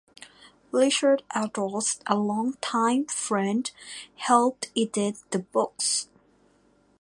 Richard Erdoes, a long-time friend, helped edit the books.